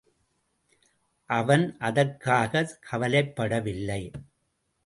அவன் அதற்காகக் கவலைப் படவில்லை.